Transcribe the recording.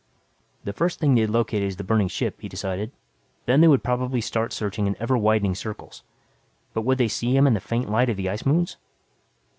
The first thing they'd locate is the burning ship, he decided. Then they would probably start searching in ever widening circles. But would they see him in the faint light of the ice moons?